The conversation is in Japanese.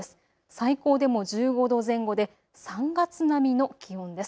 最高でも１５度前後で３月並みの気温です。